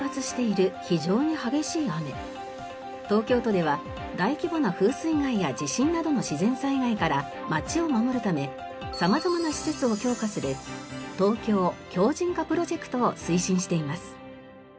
近年東京都では大規模な風水害や地震などの自然災害から街を守るため様々な施設を強化するＴＯＫＹＯ強靭化プロジェクトを推進しています。